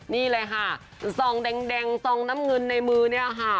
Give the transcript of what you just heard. นี่เลยค่ะซองแดงซองน้ำเงินในมือเนี่ยค่ะ